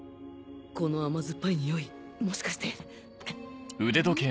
この甘酸っぱいにおいもしかしてん？